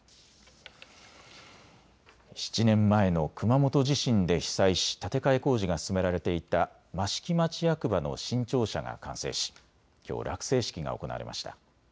７年前の熊本地震で被災し建て替え工事が進められていた益城町役場の新庁舎が完成しきょう落成式が行われました。